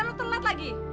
lo tengah lagi